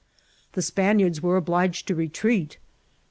The Spaniards were obliged to retreat.